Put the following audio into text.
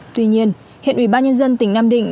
tuy nhiên hiện ủy ban nhân dân tỉnh nam định